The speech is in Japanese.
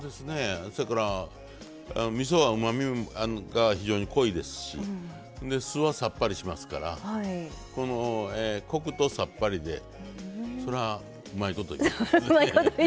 せやからみそはうまみが非常に濃いですし酢はさっぱりしますからコクとさっぱりでそらうまいこといきます。